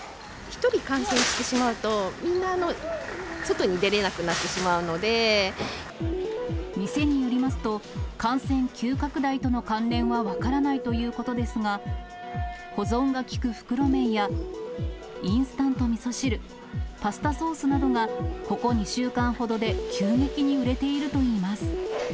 １人感染してしまうと、みんな、店によりますと、感染急拡大との関連は分からないということですが、保存が利く袋麺やインスタントみそ汁、パスタソースなどが、ここ２週間ほどで急激に売れているといいます。